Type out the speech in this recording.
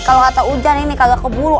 kalau kata hujan ini kagak keburu